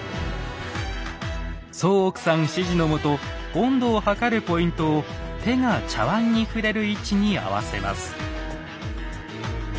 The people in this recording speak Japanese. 宗屋さん指示のもと温度を測るポイントを手が茶碗に触れる位置に合わせます。